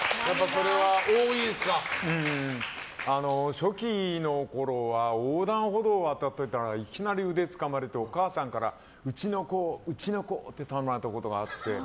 初期のころは横断歩道を渡ってたらいきなり腕つかまれてお母さんからうちの子を、うちの子をって頼まれたことがあって。